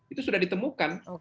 itu sudah ditemukan